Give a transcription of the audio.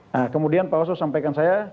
nah kemudian pak oso sampaikan saya